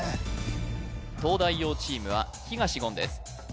東大王チームは東言です